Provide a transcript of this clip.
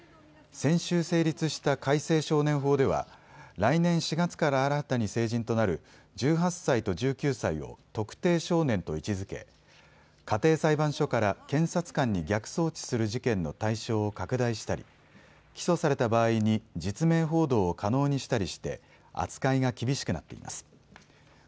先週、成立した改正少年法では来年４月から新たに成人となる１８歳と１９歳を特定少年と位置づけ家庭裁判所から検察官に逆送致する事件の対象を拡大したり起訴された場合に実名報道を可能にしたりして扱いが厳しくなっています。